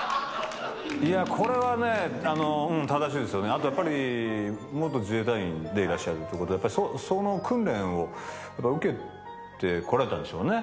あとやっぱり元自衛隊員でいらっしゃるということでその訓練を受けてこられたんでしょうね。